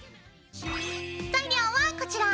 材料はこちら。